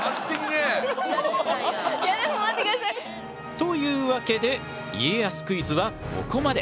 というわけで家康クイズはここまで。